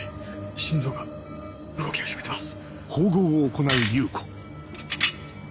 心臓が動き始めてます。